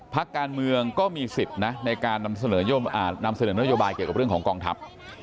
พักการเมืองก็มีสิทธิ์นะในการนำเสนอนโยบายเกี่ยวกับเรื่องของกองทัพ